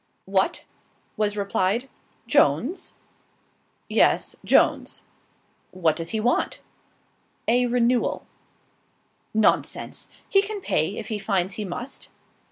"What!" was replied; "Jones?" "Yes, Jones." "What does he want?" "A renewal." "Nonsense! He can pay, if he finds he must."